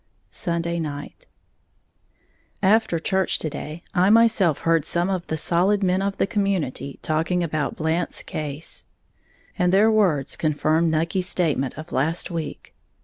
Sunday Night. After church to day, I myself heard some of the solid men of the community talking about Blant's case; and their words confirmed Nucky's statement of last week.